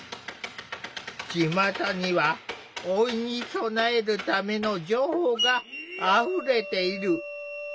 ちまたには老いに備えるための情報があふれている。